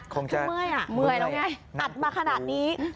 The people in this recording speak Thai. คงจะเมื่อยอ่ะเมื่อยแล้วไงอัดมาขนาดนี้